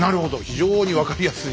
非常に分かりやすい。